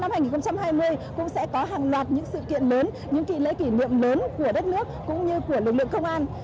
năm hai nghìn hai mươi cũng sẽ có hàng loạt những sự kiện lớn những kỳ lễ kỷ niệm lớn của đất nước cũng như của lực lượng công an